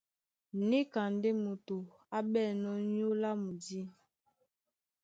Níka ndé moto á ɓɛ̂nnɔ́ nyólo na mudî.